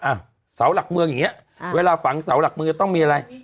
อ่ะเสาหลักเมืองอย่างนี้เวลาฝังเสาหลักเมืองจะต้องมีอะไร